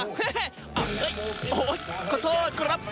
เฮ่โอ๊ยโอ๊ยขอโทษครับ